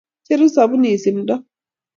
Cheru sapunit simndo.